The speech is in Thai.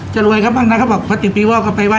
จะรวยกับบ้างนะเขาบอกพระติ๋วปีว้าก็ไปไว้